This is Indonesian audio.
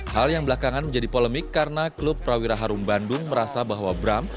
hal yang belakangan menjadi polemik karena klub prawira harum bandung merasa bahwa bram